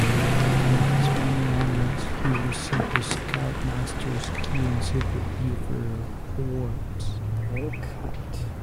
Among his many honors, he received the Scoutmaster's Key and Silver Beaver awards.